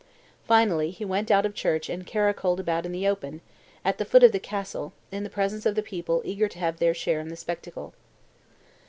Finally he went out of church and caracoled about on the open, at the foot of the castle, in presence of the people eager to have their share in the spectacle."